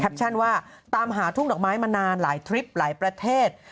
ว่าตามหาทุ่งดอกไม้มานานหลายทริปหลายประเทศ